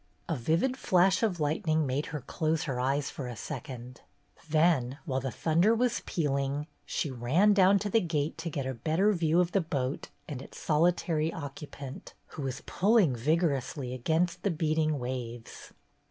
A vivid flash of lightning made her close her eyes for a second, then, while the thunder was pealing, she ran down to the gate to get a better view of the boat and its solitary occu 214 BETTY BAIRD'S GOLDEN YEAR pant, who was pulling vigorously against the beating waves.